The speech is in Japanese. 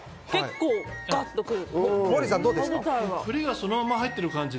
栗がそのまま入っている感じ。